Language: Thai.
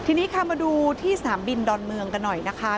ทีนี้ค่ะมาดูที่สนามบินดอนเมืองกันหน่อยนะคะ